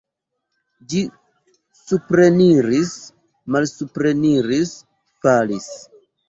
Ĝi supreniris, malsupreniris, falis.